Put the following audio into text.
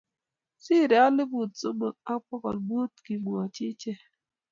Sirei alibu somok ak bokol muut, kimwochii icheek.